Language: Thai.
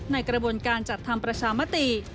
ในกระบวนการจัดทำประชามติ